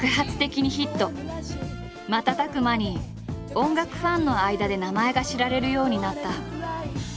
瞬く間に音楽ファンの間で名前が知られるようになった。